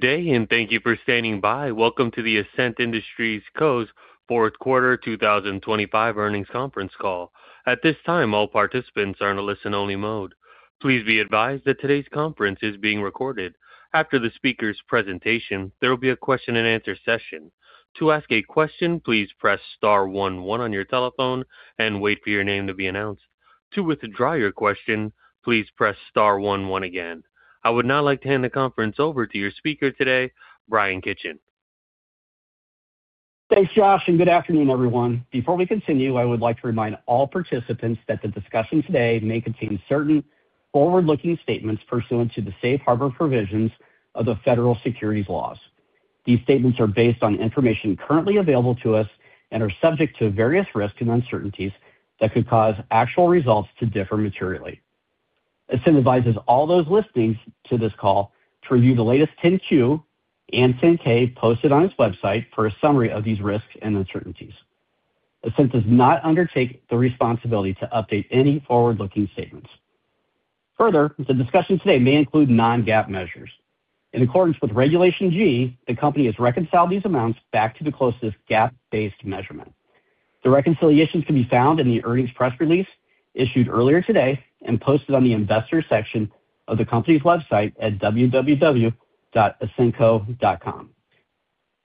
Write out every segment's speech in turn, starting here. Good day, and thank you for standing by. Welcome to the Ascent Industries Co.'s Fourth Quarter 2025 Earnings Conference Call. At this time, all participants are in a listen-only mode. Please be advised that today's conference is being recorded. After the speaker's presentation, there will be a Q&A session. To ask a question, please press star one one on your telephone and wait for your name to be announced. To withdraw your question, please press star one one again. I would now like to hand the conference over to your speaker today, Bryan Kitchen. Thanks, Josh. Good afternoon, everyone. Before we continue, I would like to remind all participants that the discussion today may contain certain forward-looking statements pursuant to the safe harbor provisions of the federal securities laws. These statements are based on information currently available to us and are subject to various risks and uncertainties that could cause actual results to differ materially. Ascent advises all those listening to this call to review the latest Form 10-Q and Form 10-K posted on its website for a summary of these risks and uncertainties. Ascent does not undertake the responsibility to update any forward-looking statements. Further, the discussion today may include non-GAAP measures. In accordance with Regulation G, the company has reconciled these amounts back to the closest GAAP-based measurement. The reconciliations can be found in the earnings press release issued earlier today and posted on the investors section of the company's website at www.ascentco.com.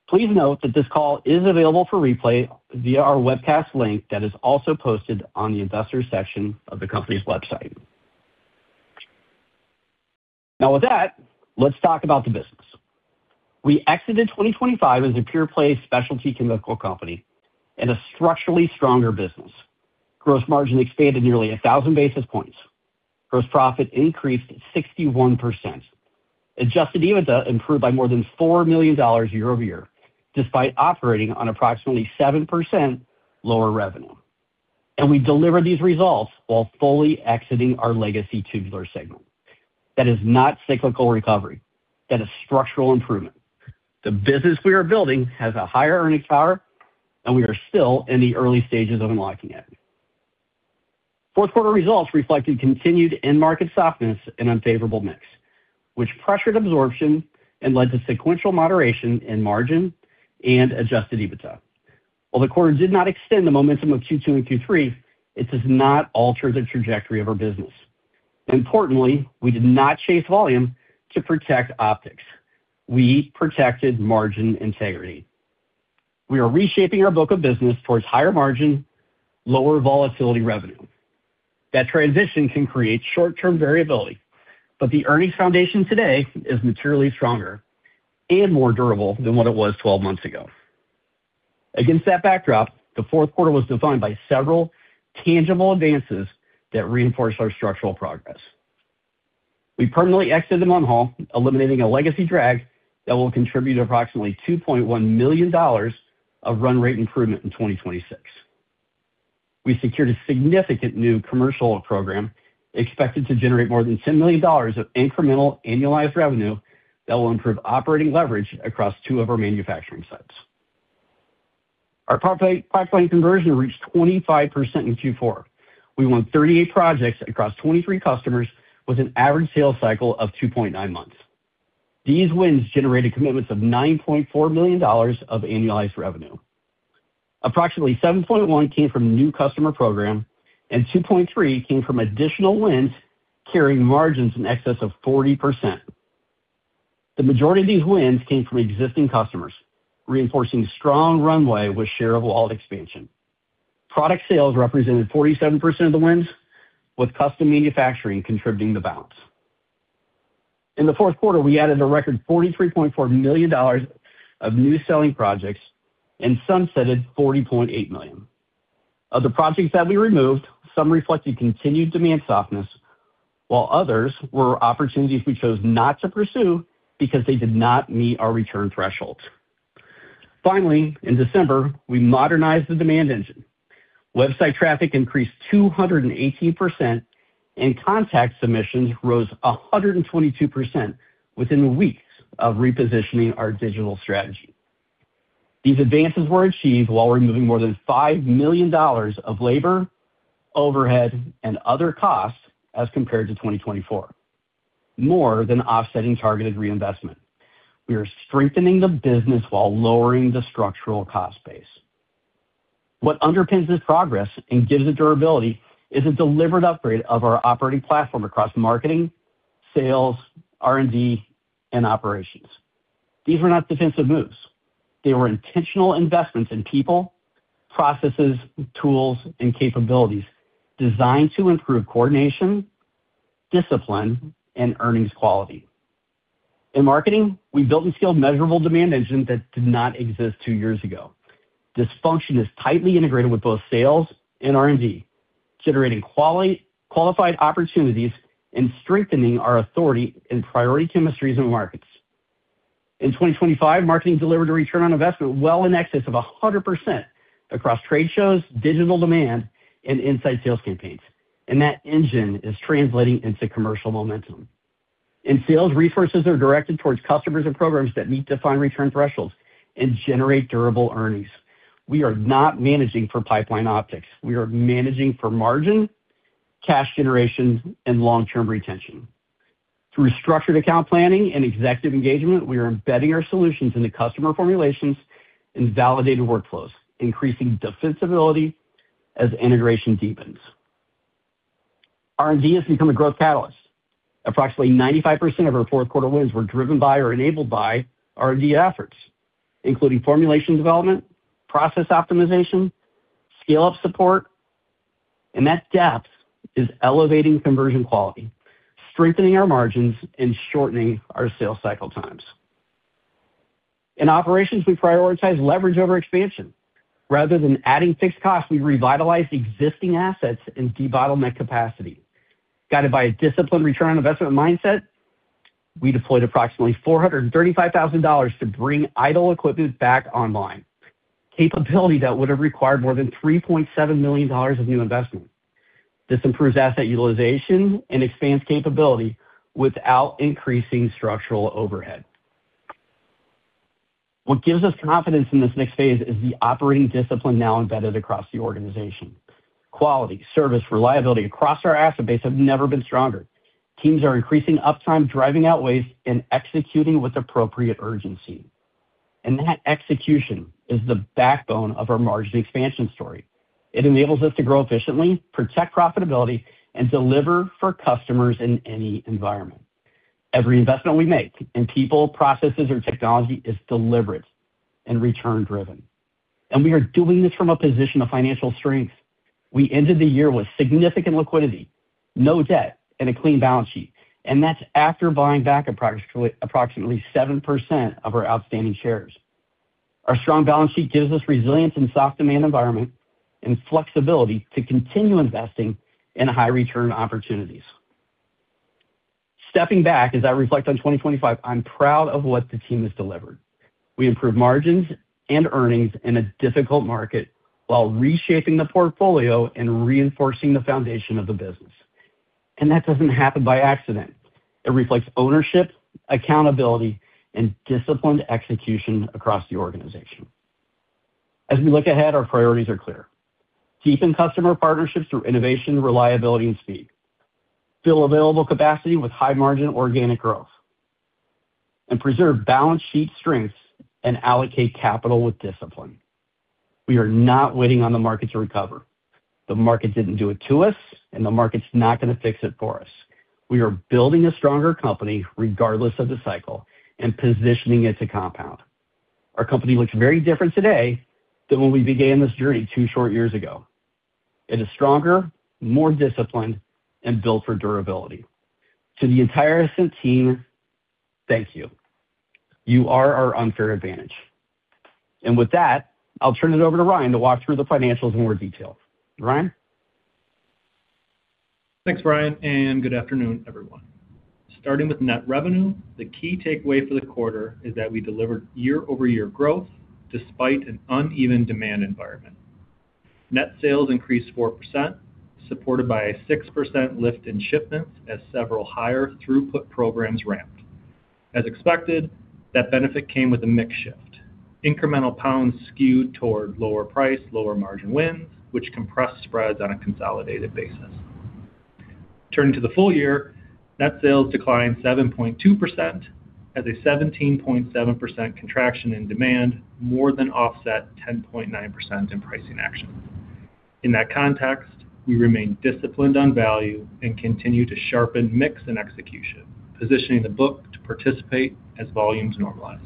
Please note that this call is available for replay via our webcast link that is also posted on the investors section of the company's website. With that, let's talk about the business. We exited 2025 as a pure-play specialty chemical company and a structurally stronger business. Gross margin expanded nearly 1,000 basis points. Gross profit increased 61%. Adjusted EBITDA improved by more than $4 million year-over-year, despite operating on approximately 7% lower revenue. We delivered these results while fully exiting our legacy tubular segment. That is not cyclical recovery. That is structural improvement. The business we are building has a higher earnings power, and we are still in the early stages of unlocking it. Fourth quarter results reflected continued end market softness and unfavorable mix, which pressured absorption and led to sequential moderation in margin and adjusted EBITDA. While the quarter did not extend the momentum of Q2 and Q3, it does not alter the trajectory of our business. Importantly, we did not chase volume to protect optics. We protected margin integrity. We are reshaping our book of business towards higher-margin, lower-volatility revenue. That transition can create short-term variability, but the earnings foundation today is materially stronger and more durable than what it was 12 months ago. Against that backdrop, the fourth quarter was defined by several tangible advances that reinforce our structural progress. We permanently exited Munhall, eliminating a legacy drag that will contribute approximately $2.1 million of run rate improvement in 2026. We secured a significant new commercial program expected to generate more than $10 million of incremental annualized revenue that will improve operating leverage across two of our manufacturing sites. Our pipeline conversion reached 25% in Q4. We won 38 projects across 23 customers with an average sales cycle of 2.9 months. These wins generated commitments of $9.4 million of annualized revenue. Approximately $7.1 came from new customer program, and $2.3 came from additional wins carrying margins in excess of 40%. The majority of these wins came from existing customers, reinforcing strong runway with share of wallet expansion. Product sales represented 47% of the wins, with custom manufacturing contributing the balance. In the fourth quarter, we added a record $43.4 million of new selling projects and sunsetted $40.8 million. Of the projects that we removed, some reflected continued demand softness, while others were opportunities we chose not to pursue because they did not meet our return thresholds. Finally, in December, we modernized the demand engine. Website traffic increased 218%. Contact submissions rose 122% within weeks of repositioning our digital strategy. These advances were achieved while removing more than $5 million of labor, overhead, and other costs as compared to 2024, more than offsetting targeted reinvestment. We are strengthening the business while lowering the structural cost base. What underpins this progress and gives it durability is a deliberate upgrade of our operating platform across marketing, sales, R&D, and operations. These were not defensive moves. They were intentional investments in people, processes, tools, and capabilities designed to improve coordination, discipline, and earnings quality. In marketing, we built and scaled a measurable demand engine that did not exist two years ago. This function is tightly integrated with both sales and R&D, generating qualified opportunities and strengthening our authority in priority chemistries and markets. In 2025, marketing delivered a return on investment well in excess of 100% across trade shows, digital demand, and inside sales campaigns. That engine is translating into commercial momentum. In sales, resources are directed towards customers and programs that meet defined return thresholds and generate durable earnings. We are not managing for pipeline optics. We are managing for margin, cash generation and long-term retention. Through structured account planning and executive engagement, we are embedding our solutions into customer formulations and validated workflows, increasing defensibility as integration deepens. R&D has become a growth catalyst. Approximately 95% of our fourth quarter wins were driven by or enabled by R&D efforts, including formulation development, process optimization, scale-up support. That depth is elevating conversion quality, strengthening our margins, and shortening our sales cycle times. In operations, we prioritize leverage over expansion. Rather than adding fixed costs, we revitalize existing assets and debottleneck capacity. Guided by a disciplined return on investment mindset, we deployed approximately $435,000 to bring idle equipment back online, capability that would have required more than $3.7 million of new investment. This improves asset utilization and expands capability without increasing structural overhead. What gives us confidence in this next phase is the operating discipline now embedded across the organization. Quality, service, reliability across our asset base have never been stronger. Teams are increasing uptime, driving out waste, and executing with appropriate urgency. That execution is the backbone of our margin expansion story. It enables us to grow efficiently, protect profitability, and deliver for customers in any environment. Every investment we make in people, processes or technology is deliberate and return driven, and we are doing this from a position of financial strength. We ended the year with significant liquidity, no debt and a clean balance sheet, and that's after buying back approximately 7% of our outstanding shares. Our strong balance sheet gives us resilience in soft demand environment and flexibility to continue investing in high return opportunities. Stepping back, as I reflect on 2025, I'm proud of what the team has delivered. We improved margins and earnings in a difficult market while reshaping the portfolio and reinforcing the foundation of the business. That doesn't happen by accident. It reflects ownership, accountability and disciplined execution across the organization. As we look ahead, our priorities are clear. Deepen customer partnerships through innovation, reliability and speed. Fill available capacity with high-margin organic growth, preserve balance sheet strengths and allocate capital with discipline. We are not waiting on the market to recover. The market didn't do it to us, the market's not gonna fix it for us. We are building a stronger company regardless of the cycle and positioning it to compound. Our company looks very different today than when we began this journey two short years ago. It is stronger, more disciplined, and built for durability. To the entire Ascent team, thank you. You are our unfair advantage. With that, I'll turn it over to Ryan to walk through the financials in more detail. Ryan? Thanks, Bryan. Good afternoon, everyone. Starting with net revenue, the key takeaway for the quarter is that we delivered year-over-year growth despite an uneven demand environment. Net sales increased 4%, supported by a 6% lift in shipments as several higher throughput programs ramped. As expected, that benefit came with a mix shift. Incremental pounds skewed toward lower price, lower margin wins, which compressed spreads on a consolidated basis. Turning to the full year, net sales declined 7.2% as a 17.7% contraction in demand more than offset 10.9% in pricing action. In that context, we remain disciplined on value and continue to sharpen mix and execution, positioning the book to participate as volumes normalize.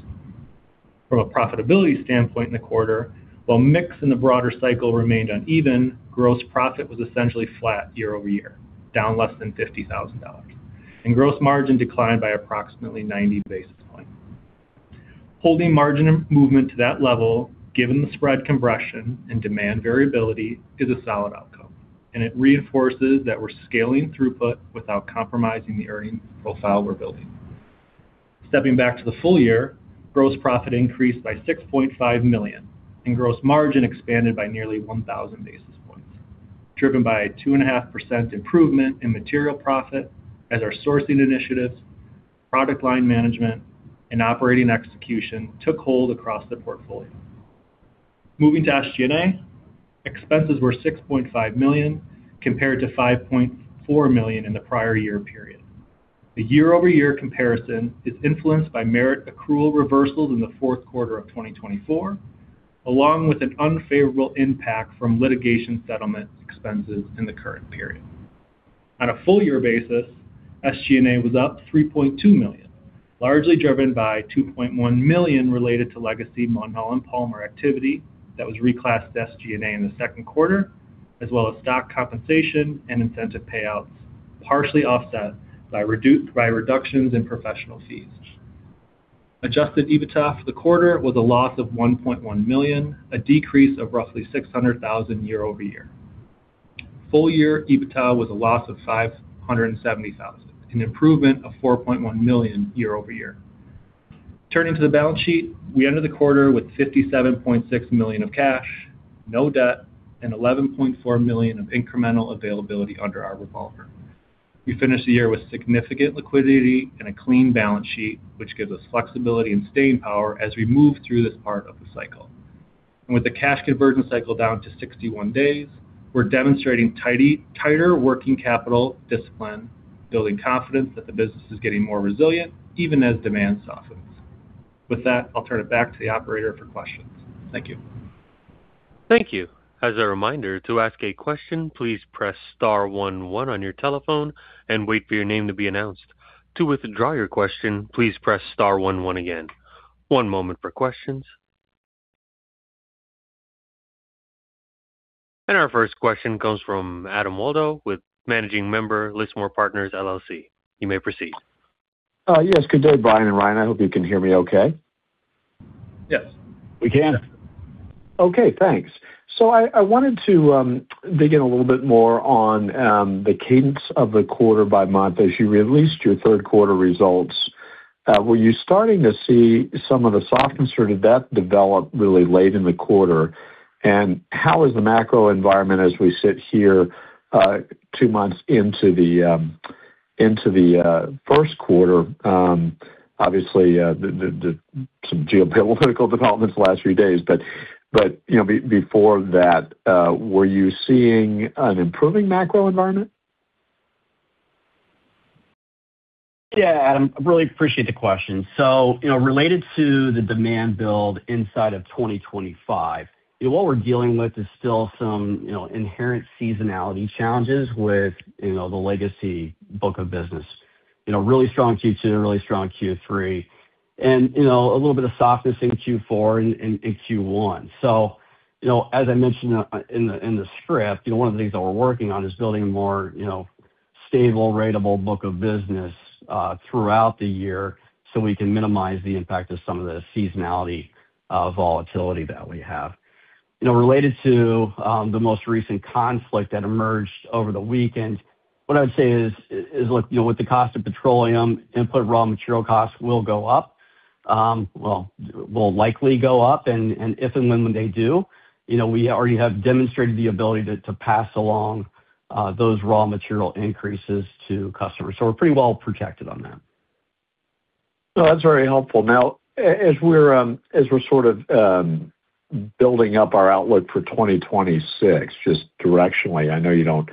From a profitability standpoint in the quarter, while mix in the broader cycle remained uneven, gross profit was essentially flat year-over-year, down less than $50,000, and gross margin declined by approximately 90 basis points. Holding margin movement to that level given the spread compression and demand variability is a solid outcome, and it reinforces that we're scaling throughput without compromising the earnings profile we're building. Stepping back to the full year, gross profit increased by $6.5 million, and gross margin expanded by nearly 1,000 basis points, driven by a 2.5% improvement in material profit as our sourcing initiatives, product line management, and operating execution took hold across the portfolio. Moving to SG&A, expenses were $6.5 million compared to $5.4 million in the prior year period. The year-over-year comparison is influenced by merit accrual reversals in the fourth quarter of 2024, along with an unfavorable impact from litigation settlement expenses in the current period. On a full year basis, SG&A was up $3.2 million, largely driven by $2.1 million related to legacy Munhall and Palmer activity that was reclassed to SG&A in the second quarter, as well as stock compensation and incentive payouts, partially offset by reductions in professional fees. Adjusted EBITDA for the quarter was a loss of $1.1 million, a decrease of roughly $600,000 year-over-year. Full year EBITDA was a loss of $570,000, an improvement of $4.1 million year-over-year. Turning to the balance sheet, we ended the quarter with $57.6 million of cash, no debt, and $11.4 million of incremental availability under our revolver. We finished the year with significant liquidity and a clean balance sheet, which gives us flexibility and staying power as we move through this part of the cycle. With the cash conversion cycle down to 61 days, we're demonstrating tighter working capital discipline, building confidence that the business is getting more resilient even as demand softens. With that, I'll turn it back to the operator for questions. Thank you. Thank you. As a reminder, to ask a question, please press star one one on your telephone and wait for your name to be announced. To withdraw your question, please press star one one again. One moment for questions. Our first question comes from Adam Waldo with Managing Member Lismore Partners LLC. You may proceed. Yes. Good day, Bryan and Ryan. I hope you can hear me okay. Yes. We can. Okay, thanks. I wanted to dig in a little bit more on the cadence of the quarter by month as you released your third quarter results. Were you starting to see some of the softness or did that develop really late in the quarter? How is the macro environment as we sit here, two months into the first quarter? Obviously, the some geopolitical developments the last few days. You know, before that, were you seeing an improving macro environment? Adam, I really appreciate the question. You know, related to the demand build inside of 2025, what we're dealing with is still some, you know, inherent seasonality challenges with, you know, the legacy book of business. You know, really strong Q2 and really strong Q3. You know, a little bit of softness in Q4 and in Q1. You know, as I mentioned in the script, you know, one of the things that we're working on is building a more, you know, stable ratable book of business throughout the year, so we can minimize the impact of some of the seasonality volatility that we have. You know, related to the most recent conflict that emerged over the weekend, what I would say is, look, you know, with the cost of petroleum input, raw material costs will go up, well, will likely go up. If and when they do, you know, we already have demonstrated the ability to pass along those raw material increases to customers. We're pretty well protected on that. No, that's very helpful. As we're as we're sort of building up our outlook for 2026, just directionally, I know you don't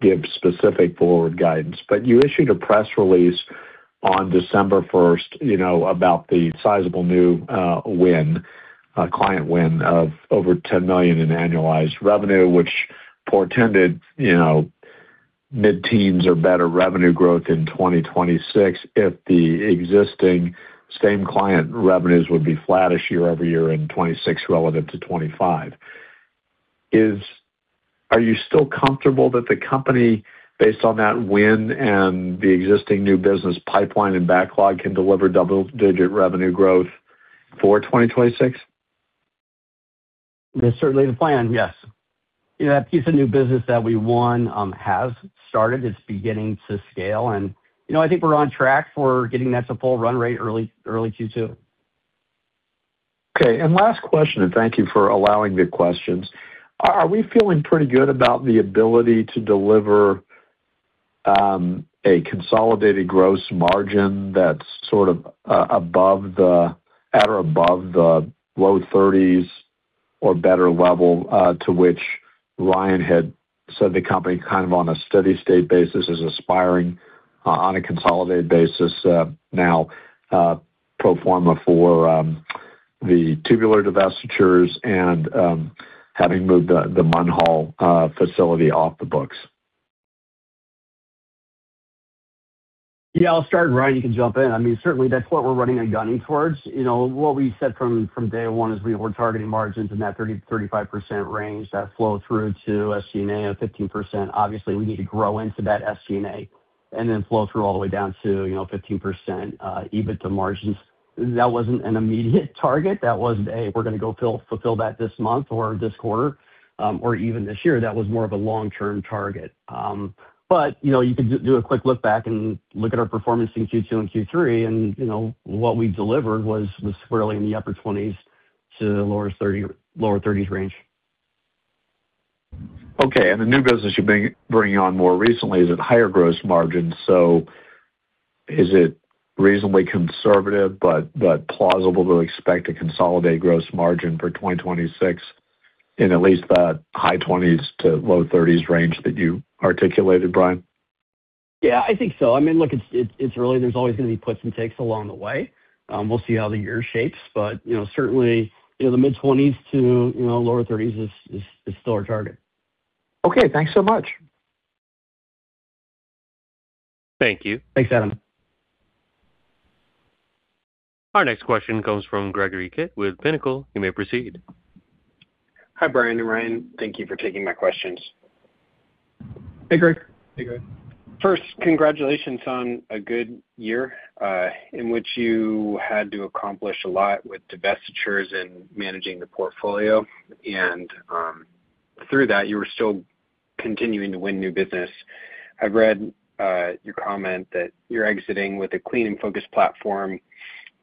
give specific forward guidance, but you issued a press release on December 1st, you know, about the sizable new win client win of over $10 million in annualized revenue, which portended, you know, mid-teens or better revenue growth in 2026 if the existing same client revenues would be flattish year-over-year in 2026 relevant to 2025. Are you still comfortable that the company, based on that win and the existing new business pipeline and backlog, can deliver double-digit revenue growth for 2026? That's certainly the plan, yes. You know, that piece of new business that we won has started. It's beginning to scale. You know, I think we're on track for getting that to full run rate early Q2. Okay. Last question, and thank you for allowing me questions. Are we feeling pretty good about the ability to deliver a consolidated gross margin that's sort of at or above the low 30s or better level to which Ryan had said the company kind of on a steady state basis is aspiring on a consolidated basis now pro forma for the tubular divestitures and having moved the Munhall facility off the books? Yeah, I'll start, Ryan, you can jump in. I mean, certainly that's what we're running and gunning towards. You know, what we said from day one is we were targeting margins in that 30%-35% range that flow through to SG&A of 15%. Obviously, we need to grow into that SG&A and then flow through all the way down to, you know, 15% EBITDA margins. That wasn't an immediate target. That wasn't a, "We're gonna go fulfill that this month or this quarter, or even this year." That was more of a long-term target. You know, you could do a quick look back and look at our performance in Q2 and Q3, and, you know, what we delivered was squarely in the upper 20s to lower 30s range. Okay. The new business you're bringing on more recently is at higher gross margins. Is it reasonably conservative but plausible to expect a consolidated gross margin for 2026 in at least the high 20s% to low 30s% range that you articulated, Bryan? Yeah, I think so. I mean, look, it's early. There's always gonna be puts and takes along the way. We'll see how the year shapes. You know, certainly, you know, the mid-20s to, you know, lower 30s is still our target. Okay, thanks so much. Thank you. Thanks, Adam. Our next question comes from Gregory Kitt with Pinnacle. You may proceed. Hi, Bryan and Ryan. Thank you for taking my questions. Hey, Greg. First, congratulations on a good year, in which you had to accomplish a lot with divestitures and managing the portfolio. Through that, you were still continuing to win new business. I've read, your comment that you're exiting with a clean and focused platform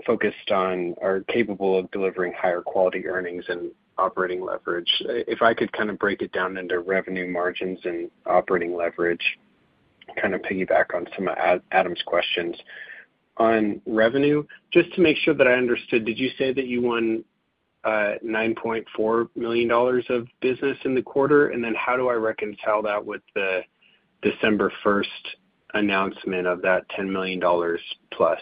focused on or capable of delivering higher quality earnings and operating leverage. If I could kind of break it down into revenue margins and operating leverage. Kind of piggyback on some of Adam's questions. On revenue, just to make sure that I understood, did you say that you won, $9.4 million of business in the quarter? How do I reconcile that with the December 1st announcement of that $10+ million, that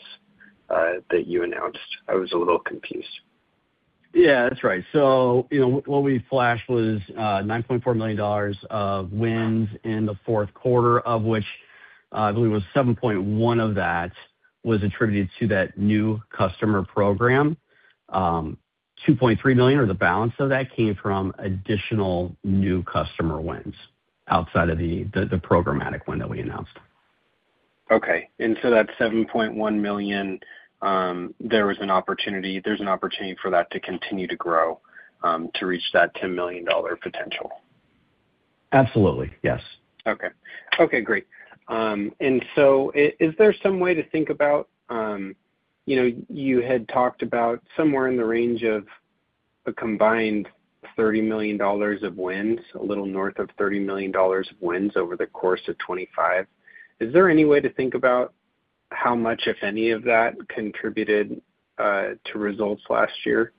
you announced? I was a little confused. Yeah, that's right. What we flashed was $9.4 million of wins in the fourth quarter, of which, I believe it was $7.1 of that was attributed to that new customer program. $2.3 million, or the balance of that, came from additional new customer wins outside of the programmatic win that we announced. Okay. That $7.1 million, there's an opportunity for that to continue to grow, to reach that $10 million potential? Absolutely, yes. Okay. Okay, great. Is there some way to think about, you know, you had talked about somewhere in the range of a combined $30 million of wins, a little north of $30 million of wins over the course of 2025. Is there any way to think about how much, if any of that, contributed to results last year?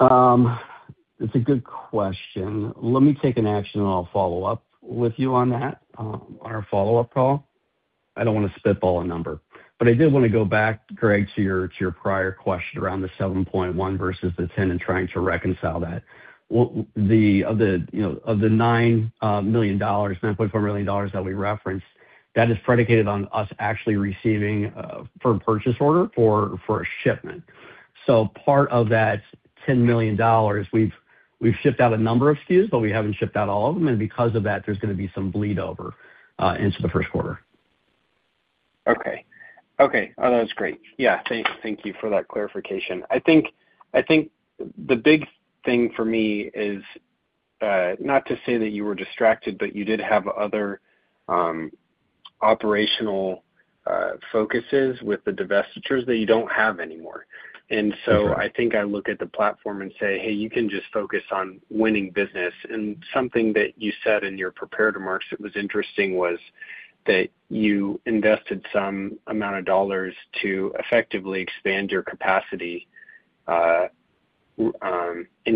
That's a good question. Let me take an action, and I'll follow up with you on that on our follow-up call. I don't wanna spitball a number. I did wanna go back, Greg, to your prior question around the 7.1 versus the 10 and trying to reconcile that. Of the, you know, of the $9 million, $9.4 million that we referenced, that is predicated on us actually receiving firm purchase order for a shipment. Part of that $10 million, we've shipped out a number of SKUs, but we haven't shipped out all of them, and because of that, there's gonna be some bleed over into the first quarter. Okay. Okay. Oh, that's great. Yeah, thank you for that clarification. I think the big thing for me is not to say that you were distracted, but you did have other operational focuses with the divestitures that you don't have anymore. I think I look at the platform and say, "Hey, you can just focus on winning business." Something that you said in your prepared remarks that was interesting was that you invested some amount of dollars to effectively expand your capacity, and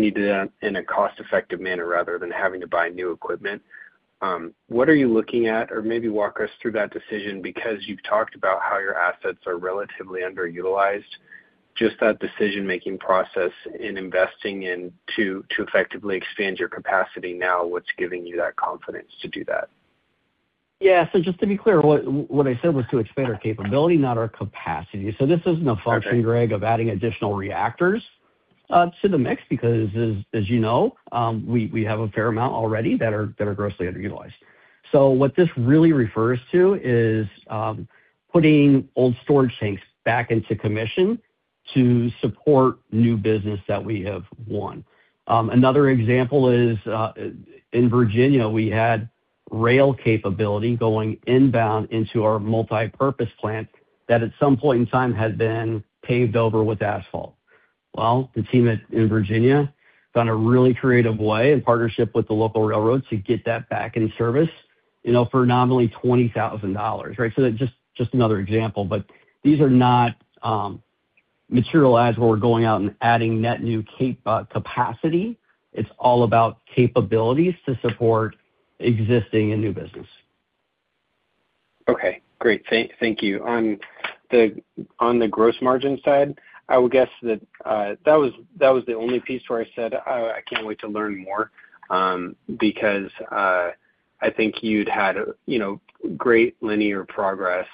you did that in a cost-effective manner rather than having to buy new equipment. What are you looking at? Or maybe walk us through that decision because you've talked about how your assets are relatively underutilized. Just that decision-making process in investing and to effectively expand your capacity now, what's giving you that confidence to do that? Yeah. Just to be clear, what I said was to expand our capability, not our capacity. This isn't a function. Okay. Greg, of adding additional reactors to the mix because as you know, we have a fair amount already that are grossly underutilized. What this really refers to is putting old storage tanks back into commission to support new business that we have won. Another example is in Virginia, we had rail capability going inbound into our multipurpose plant that at some point in time had been paved over with asphalt. The team in Virginia found a really creative way in partnership with the local railroad to get that back in service, you know, for nominally $20,000, right? That's just another example. These are not material adds where we're going out and adding net new capacity. It's all about capabilities to support existing and new business. Okay, great. Thank you. On the gross margin side, I would guess that that was the only piece where I said I can't wait to learn more, because I think you'd had, you know, great linear progress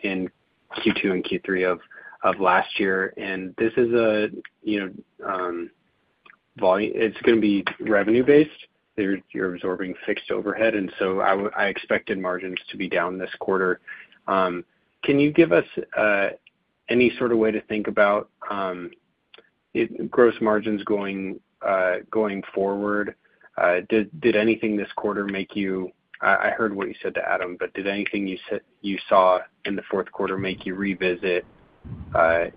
in Q2 and Q3 of last year. This is a, you know, it's gonna be revenue based. You're absorbing fixed overhead, so I expected margins to be down this quarter. Can you give us any sort of way to think about gross margins going forward? Did anything this quarter make you. I heard what you said to Adam, but did anything you saw in the fourth quarter make you revisit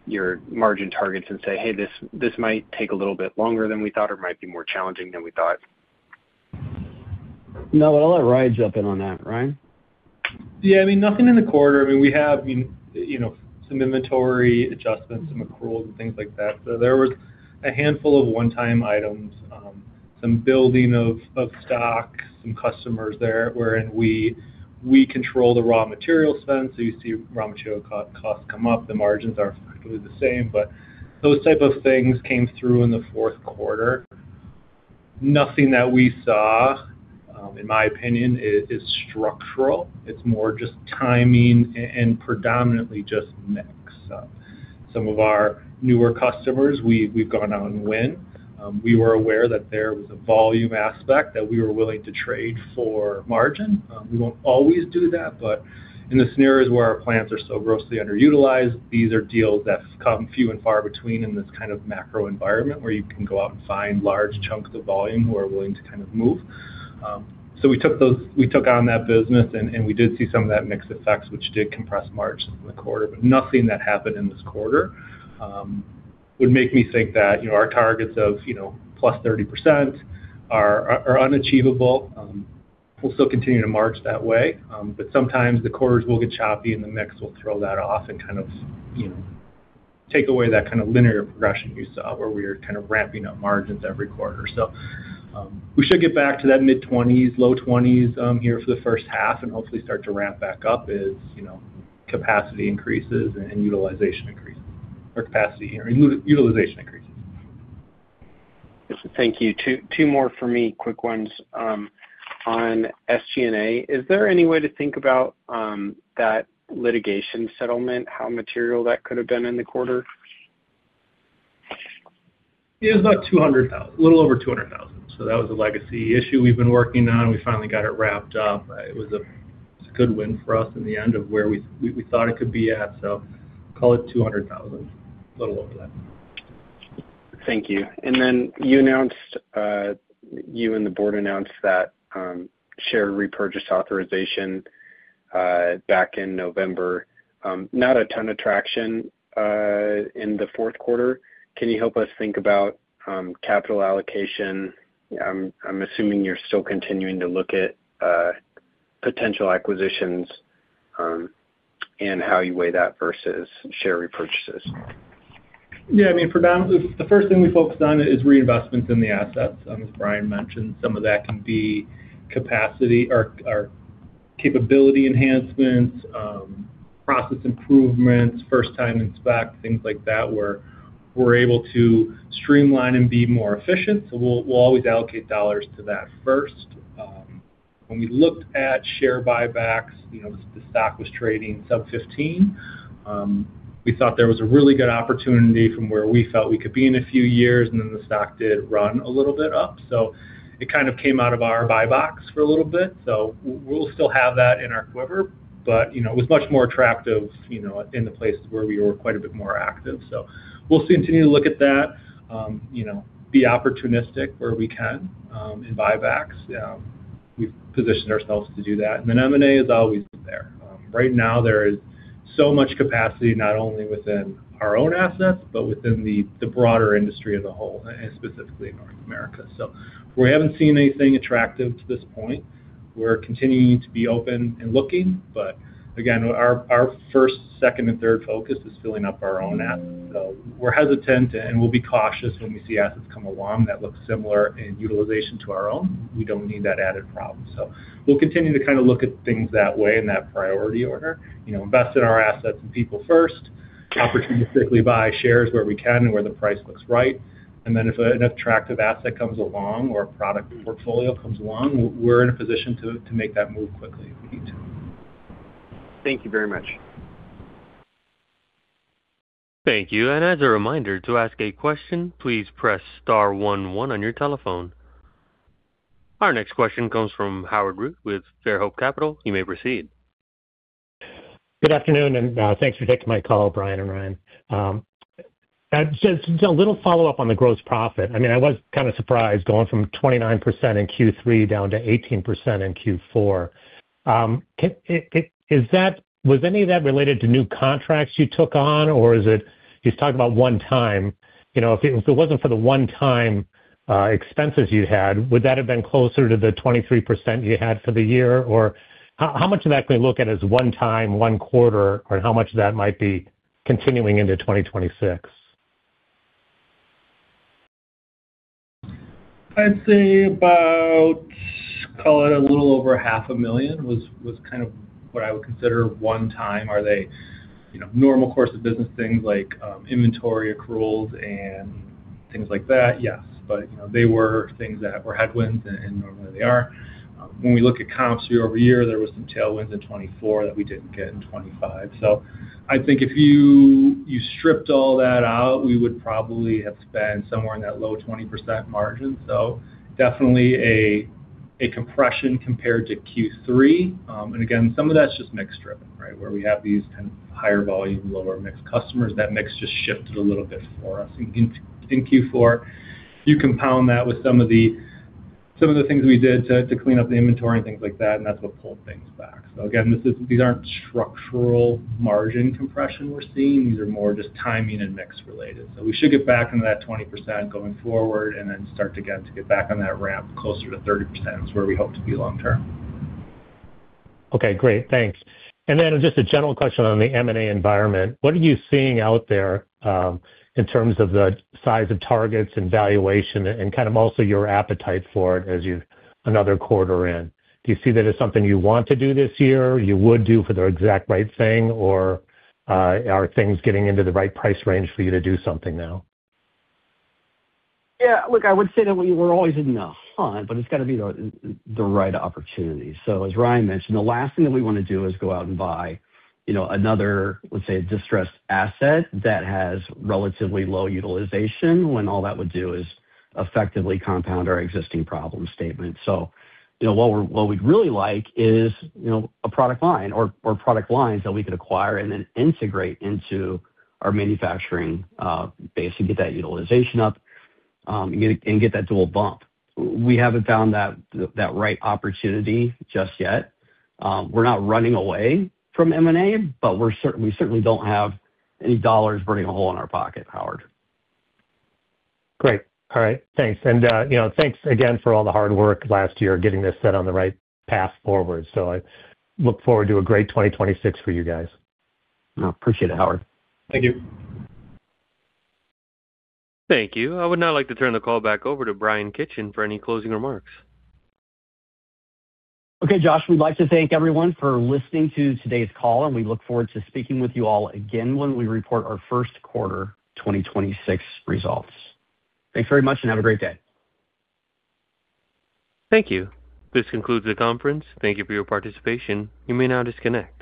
your margin targets and say, "Hey, this might take a little bit longer than we thought, or it might be more challenging than we thought? I'll let Ryan jump in on that, Ryan. I mean, nothing in the quarter. I mean, we have, you know, some inventory adjustments, some accruals and things like that. There was a handful of one-time items, some building of stock, some customers there, wherein we control the raw material spend, so you see raw material co-costs come up. The margins are effectively the same, but those type of things came through in the fourth quarter. Nothing that we saw, in my opinion, is structural. It's more just timing and predominantly just mix. Some of our newer customers, we've gone out and win. We were aware that there was a volume aspect that we were willing to trade for margin. We won't always do that. In the scenarios where our plants are so grossly underutilized, these are deals that come few and far between in this kind of macro environment where you can go out and find large chunks of volume, we're willing to kind of move. So we took on that business, and we did see some of that mix effects, which did compress margins in the quarter. Nothing that happened in this quarter would make me think that, you know, our targets of, you know, plus 30% are unachievable. We'll still continue to march that way, but sometimes the quarters will get choppy and the mix will throw that off and kind of, you know, take away that kind of linear progression you saw where we were kind of ramping up margins every quarter. We should get back to that mid-20s, low 20s here for the first half and hopefully start to ramp back up as, you know, capacity increases and utilization increases or capacity and utilization increases. Thank you. Two more for me. Quick ones. On SG&A, is there any way to think about that litigation settlement, how material that could have been in the quarter? Yeah. It was about a little over $200,000. That was a legacy issue we've been working on. We finally got it wrapped up. It was a good win for us in the end of where we thought it could be at. Call it $200,000. A little over that. Thank you. You announced, you and the board announced that share repurchase authorization back in November. Not a ton of traction in the fourth quarter. Can you help us think about capital allocation? I'm assuming you're still continuing to look at potential acquisitions and how you weigh that versus share repurchases. I mean, predominantly, the first thing we focused on is reinvestments in the assets. As Bryan mentioned, some of that can be capacity or capability enhancements, process improvements, first time in SPAC, things like that, where we're able to streamline and be more efficient. We'll always allocate dollars to that first. When we looked at share buybacks, you know, the stock was trading sub-15. We thought there was a really good opportunity from where we felt we could be in a few years, and then the stock did run a little bit up, so it kind of came out of our buy box for a little bit. We'll still have that in our quiver. You know, it was much more attractive, you know, in the places where we were quite a bit more active. We'll continue to look at that, you know, be opportunistic where we can in buybacks. Yeah, we've positioned ourselves to do that. M&A is always there. Right now there is so much capacity, not only within our own assets, but within the broader industry as a whole and specifically in North America. We haven't seen anything attractive to this point. We're continuing to be open and looking. Again, our first, second and third focus is filling up our own assets. We're hesitant, and we'll be cautious when we see assets come along that look similar in utilization to our own. We don't need that added problem. We'll continue to kinda look at things that way in that priority order. You know, invest in our assets and people first, opportunistically buy shares where we can and where the price looks right. Then if an attractive asset comes along or a product portfolio comes along, we're in a position to make that move quickly if we need to. Thank you very much. Thank you. As a reminder, to ask a question, please press star one one on your telephone. Our next question comes from Howard Root with Fairhope Capital. You may proceed. Good afternoon. Thanks for taking my call, Bryan and Ryan. Just a little follow-up on the gross profit. I mean, I was kind of surprised going from 29% in Q3 down to 18% in Q4. Was any of that related to new contracts you took on, or is it? You talked about one time. You know, if it, if it wasn't for the one-time expenses you had, would that have been closer to the 23% you had for the year? How, how much of that can we look at as one time, one quarter, or how much of that might be continuing into 2026? I'd say about, call it a little over half a million was kind of what I would consider one time. Are they, you know, normal course of business things like inventory accruals and things like that? Yes. You know, they were things that were headwinds and normally they are. When we look at comps year-over-year, there was some tailwinds in 2024 that we didn't get in 2025. I think if you stripped all that out, we would probably have spent somewhere in that low 20% margin. Definitely a compression compared to Q3. Again, some of that's just mix driven, right? Where we have these kind of higher volume, lower mix customers. That mix just shifted a little bit for us in Q4. You compound that with some of the things we did to clean up the inventory and things like that, and that's what pulled things back. Again, these aren't structural margin compression we're seeing. These are more just timing and mix related. We should get back into that 20% going forward and then start to get back on that ramp closer to 30% is where we hope to be long term. Okay, great. Thanks. Just a general question on the M&A environment. What are you seeing out there in terms of the size of targets and valuation and kind of also your appetite for it as you're another quarter in? Do you see that as something you want to do this year, you would do for the exact right thing? Are things getting into the right price range for you to do something now? Yeah. Look, I would say that we're always in the hunt, but it's got to be the right opportunity. As Ryan mentioned, the last thing that we wanna do is go out and buy, you know, another, let say, distressed asset that has relatively low utilization when all that would do is effectively compound our existing problem statement. You know, what we'd really like is, you know, a product line or product lines that we could acquire and then integrate into our manufacturing base to get that utilization up and get that dual bump. We haven't found that right opportunity just yet. We're not running away from M&A, but we certainly don't have any dollars burning a hole in our pocket, Howard. Great. All right. Thanks. And, you know, thanks again for all the hard work last year, getting this set on the right path forward. I look forward to a great 2026 for you guys. Appreciate it, Howard. Thank you. Thank you. I would now like to turn the call back over to Bryan Kitchen for any closing remarks. Josh, we'd like to thank everyone for listening to today's call, and we look forward to speaking with you all again when we report our first quarter 2026 results. Thanks very much and have a great day. Thank you. This concludes the conference. Thank you for your participation. You may now disconnect.